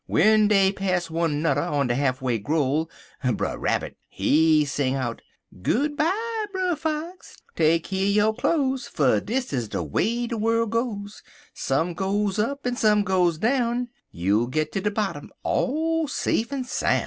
W'en dey pass one nudder on de half way growl', Brer Rabbit he sing out: "'Good by, Brer Fox, take keer yo' cloze, Fer dis is de way de worl' goes; Some goes up en some goes down, You'll git ter de bottom all safe en soun'.'